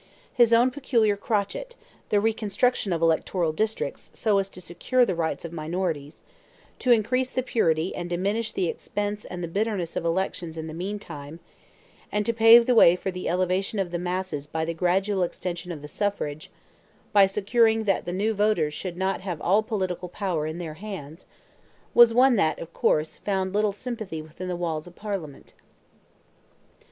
His own peculiar crotchet the reconstruction of electoral districts, so as to secure the rights of minorities to increase the purity and diminish the expense and the bitterness of elections in the meantime, and to pave the way for the elevation of the masses by the gradual extension of the suffrage, by securing that the new voters should not have all political power in their hands was one that, of course, found little sympathy within the walls of Parliament.